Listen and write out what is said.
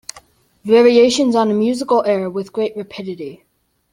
Variations on a musical air With great rapidity.